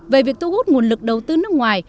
về việc thu hút nguồn lực đầu tư nước ngoài